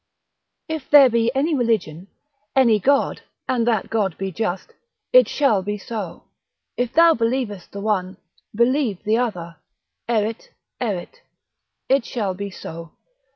If there be any religion, any God, and that God be just, it shall be so; if thou believest the one, believe the other: Erit, erit, it shall be so.